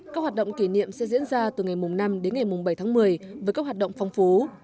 các hoạt động kỷ niệm sẽ diễn ra từ ngày năm đến ngày bảy tháng một mươi với các hoạt động phong phú